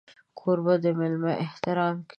کوربه د مېلمه احترام کوي.